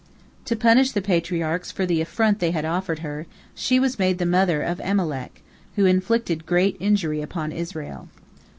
To punish the Patriarchs for the affront they had offered her, she was made the mother of Amalek, who inflicted great injury upon Israel.